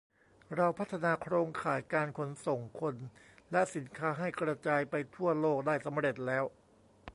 เราพัฒนาโครงข่ายการขนส่งคนและสินค้าให้กระจายไปทั่วโลกได้สำเร็จแล้ว